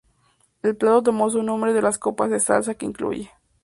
El plato toma su nombre de las copas de salsa que incluye.